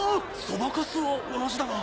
そばかすは同じだが。